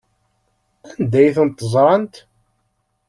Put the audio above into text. Anda ay ten-ẓrant?